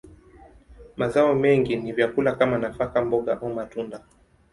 Mazao mengi ni vyakula kama nafaka, mboga, au matunda.